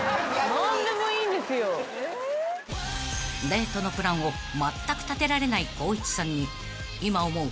［デートのプランをまったく立てられない光一さんに今思う